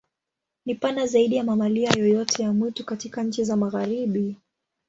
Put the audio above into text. Ni pana zaidi ya mamalia yoyote ya mwitu katika nchi za Magharibi.